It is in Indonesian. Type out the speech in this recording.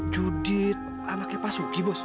judit anaknya pak suki bos